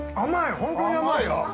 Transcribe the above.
本当に甘い。